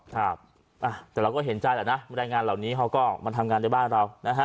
ครับแต่เราก็เห็นใจแหละนะแรงงานเหล่านี้เขาก็มาทำงานในบ้านเรานะฮะ